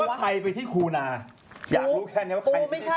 ถามว่าใครไปที่คูนาอยากรู้แค่นี้ว่าใครไปที่คูนา